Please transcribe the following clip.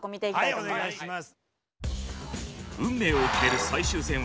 お願いします。